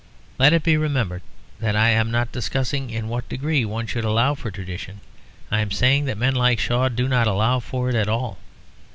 Let it be remembered that I am not discussing in what degree one should allow for tradition; I am saying that men like Shaw do not allow for it at all.